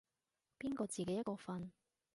邊個自己一個瞓